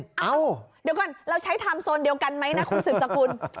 เดี๋ยวก่อนเราใช้ครั้งทรมโซนเดียวกันมั้ยนะคุณสุสคุณ